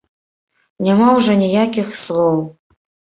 Няма ўжо ніякіх слоў!